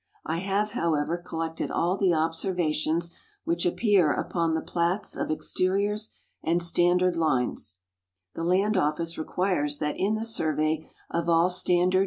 I have, however, col lected all the observations which appear upon the plats of exterioi s and standard lines (the Land Office requires that in the survey of all stan.lar*!